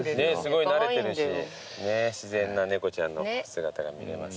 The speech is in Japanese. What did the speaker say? すごい慣れてるし自然な猫ちゃんの姿が見れます。